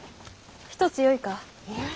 一つよいか。